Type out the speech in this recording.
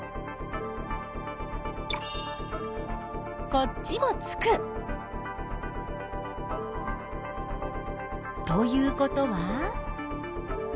こっちもつく！ということは？